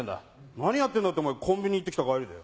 何やってんだってコンビニ行って来た帰りだよ。